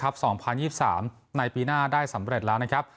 รอบสุดท้ายฟุตบัลในปีหน้าได้สำเร็จแล้ว